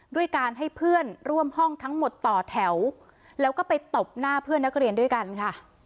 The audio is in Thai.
ด้วยการให้เพื่อนร่วมห้องทั้งหมดต่อแถวแล้วก็ไปตบหน้าเพื่อนนักเรียนด้วยกันค่ะ